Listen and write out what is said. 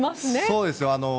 そうですよ。